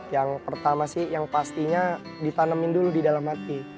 yang pertama sih yang pastinya ditanemin dulu di dalam hati